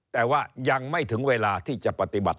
แต่ว่ายังไม่ถึงเวลาที่จะปฏิบัติ